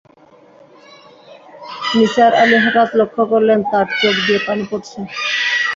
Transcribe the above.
নিসার আলি হঠাৎ লক্ষ করলেন, তাঁর চোখ দিয়ে পানি পড়ছে।